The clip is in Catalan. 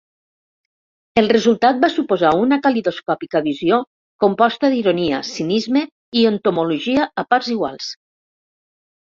El resultat va suposar una calidoscòpica visió composta d’ironia, cinisme i entomologia a parts iguals.